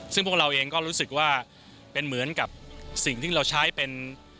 ซึ่งพวกเราเองก็รู้สึกว่าเป็นเหมือนกับสิ่งที่เราใช้เป็น